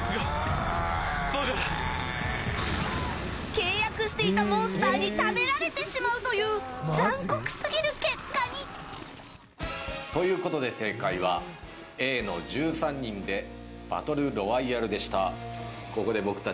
契約していたモンスターに食べられてしまうという残酷すぎる結果に。ということで正解はＡの１３人でバトルロワイヤルでした。